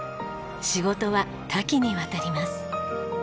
仕事は多岐にわたります。